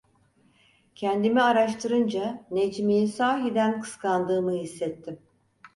Kendimi araştırınca Necmi'yi sahiden kıskandığımı hissettim.